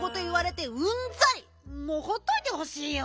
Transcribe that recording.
もうほっといてほしいよ。